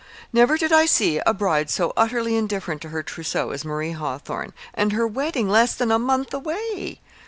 Never did I see a bride so utterly indifferent to her trousseau as Marie Hawthorn and her wedding less than a month away!"